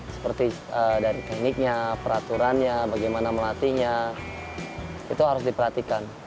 seperti dari tekniknya peraturannya bagaimana melatihnya itu harus diperhatikan